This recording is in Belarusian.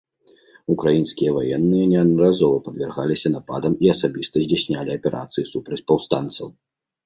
Украінскія ваенныя неаднаразова падвяргаліся нападам і асабіста здзяйснялі аперацыі супраць паўстанцаў.